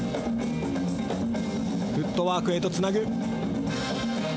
フットワークへとつなぐ。